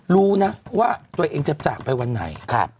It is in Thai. รู้นะว่าตัวเองจะจากไปวันไหน